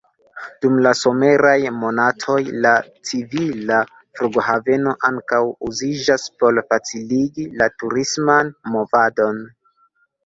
Dum la someraj monatoj la civila flughaveno ankaŭ uziĝas por faciligi la turisman movadon.